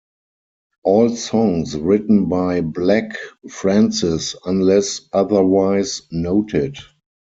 All songs written by Black Francis unless otherwise noted.